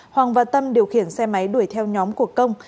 hoàng và tâm điều khiển xe máy đuổi theo nhóm của công